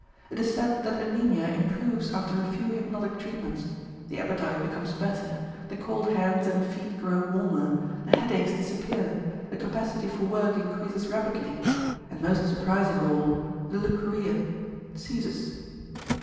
It is said that anæmia improves after a few hypnotic treatments, the appetite becomes better, the cold hands and feet grow warmer, the headaches disappear, the capacity for work increases rapidly, and most surprising of all the leucorrhea ceases.